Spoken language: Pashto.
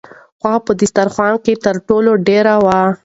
غوښه په دسترخوان کې تر ټولو ډېره وه.